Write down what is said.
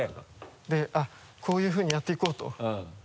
で「こういうふうにやっていこう」と。